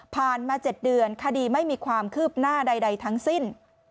มา๗เดือนคดีไม่มีความคืบหน้าใดทั้งสิ้น